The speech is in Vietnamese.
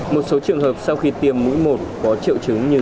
một số trường hợp sau khi tiêm mũi một có triệu chứng như